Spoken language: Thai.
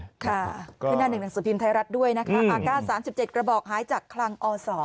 ค่ะข้างหน้าหนึ่งหนังสุทธินทร์ไทยรัฐด้วยอากาศ๓๗กระบอกหายจากคลังอศ